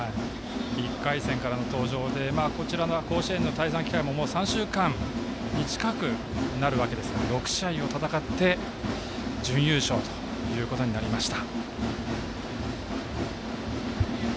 １回戦からの登場で甲子園の滞在期間ももう３週間近くになるわけですが６試合を戦って準優勝ということになりました。